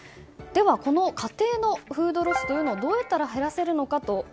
この家庭のフードロスをどうやって減らせるのか。